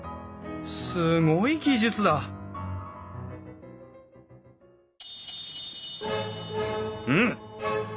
すごい技術だうん！？